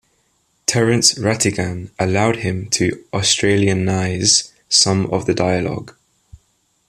Terence Rattigan allowed him to Australian-ise some of the dialogue.